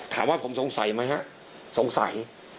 ถามว่าผมสงสัยไหมฮะสงสัย